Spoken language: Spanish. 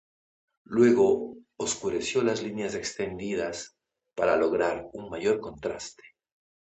Luego oscureció las líneas extendidas para lograr un mayor contraste.